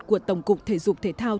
của tổng cục thể dục thể thao